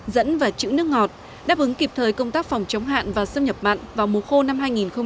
dẫn và chữ nước ngọt đáp ứng kịp thời công tác phòng chống hạn và xâm nhập mặn vào mùa khô năm hai nghìn hai mươi